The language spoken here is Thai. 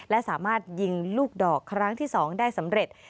และสามารถยิงลูกดอกครั้งที่๒ได้สำเร็จ